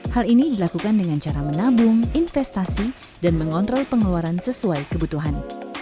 hal ini dilakukan dengan cara menabung investasi dan mengontrol pengeluaran sesuai kebutuhan